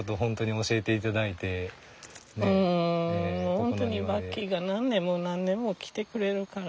本当にバッキーが何年も何年も来てくれるから。